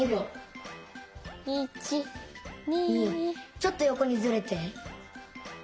ちょっとよこにずれて。